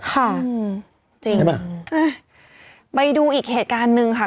ค่ะจริงป่ะไปดูอีกเหตุการณ์หนึ่งค่ะ